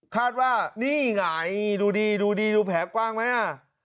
คาดว่านี่ไงดูดีดูดีดูแผลกว้างไหมอ่ะ